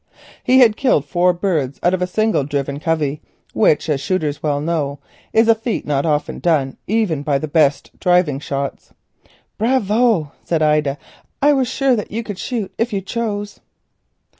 He had killed four birds out of a single driven covey, which as shooters well know is a feat not often done even by the best driving shots. "Bravo!" said Ida, "I was sure that you could shoot if you chose."